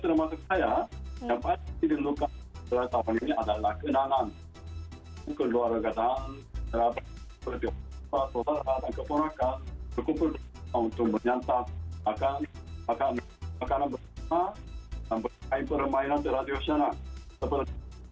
terkumpul untuk menyantap akan makan makanan bersama dan bermain permainan radiosenang seperti